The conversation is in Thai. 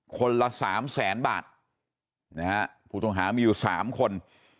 คนละ๓แสนบาทผู้ตงหามีอยู่๓คน